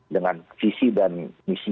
dengan visi dan misi